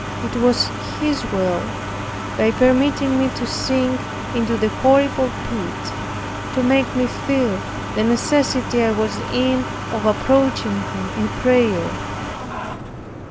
It was His will by permitting me to sink into the horrible pit, to make me feel the necessity I was in of approaching Him in prayer.